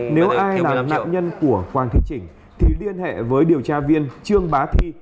nếu ai là nạn nhân của quang thị chỉnh thì liên hệ với điều tra viên trương bá thi